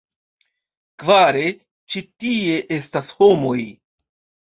Kvare, ĉi tie estas homoj.